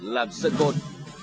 làm sợi cột